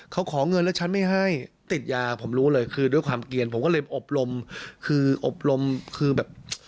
เขาขอเงินแล้วฉันไม่ให้ติดยาผมรู้เลยคือด้วยความเกลียนผมก็เลยอบรมคืออบรมคือแบบ